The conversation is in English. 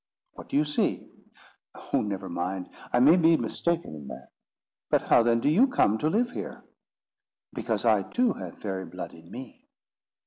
"What do you see?" "Oh, never mind: I may be mistaken in that." "But how then do you come to live here?" "Because I too have fairy blood in me."